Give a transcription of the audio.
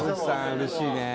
うれしいね。